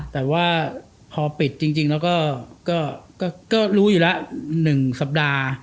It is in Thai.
แต่ว่าพอปิดจริงแล้วก็รู้อยู่แล้ว๑สัปดาห์